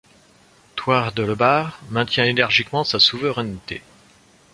Toirdelebach maintient énergiquement sa souveraineté.